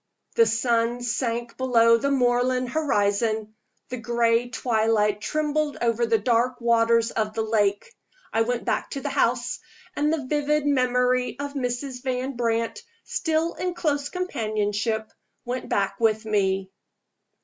The sun sank below the moorland horizon; the gray twilight trembled over the dark waters of the lake. I went back to the house; and the vivid memory of Mrs. Van Brandt, still in close companionship, went back with me.